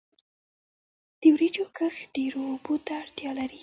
د وریجو کښت ډیرو اوبو ته اړتیا لري.